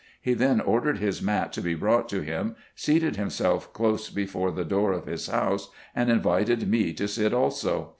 He then ordered his mat to be brought to him, seated himself close before the door of his house, and invited me to sit also.